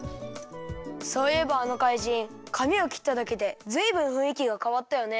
そういえばあのかいじんかみをきっただけでずいぶんふんいきがかわったよね。